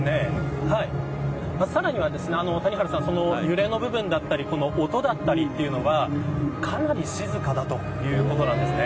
さらには揺れの部分だったり音だったりというのはかなり静かだということなんですね。